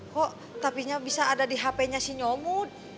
kok tapi bisa ada di hpnya si nyomu